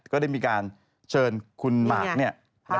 ก็ได้มีการเชิญคุณหมากเนี่ย